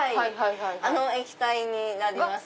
あの液体になります。